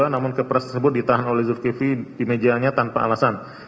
namun kepres tersebut ditahan oleh zulkifli di mejanya tanpa alasan